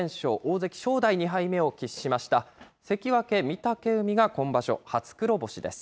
関脇・御嶽海が今場所初黒星です。